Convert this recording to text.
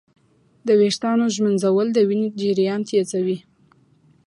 د ویښتانو ږمنځول د وینې جریان تېزوي.